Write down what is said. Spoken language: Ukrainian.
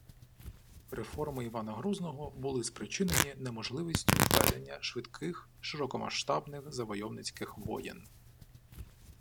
– Реформи Івана Грозного були спричинені неможливістю ведення швидких широкомасштабних завойовницьких воєн